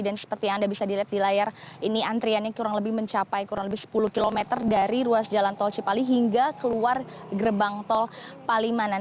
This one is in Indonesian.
dan seperti yang anda bisa lihat di layar ini antriannya kurang lebih mencapai kurang lebih sepuluh km dari ruas jalan tol cipali hingga keluar gerbang tol palimanan